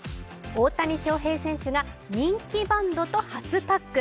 大谷翔平選手が人気バンドと初タッグ。